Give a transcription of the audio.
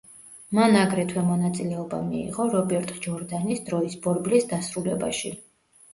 მან აგრეთვე მონაწილეობა მიიღო რობერტ ჯორდანის „დროის ბორბლის“ დასრულებაში.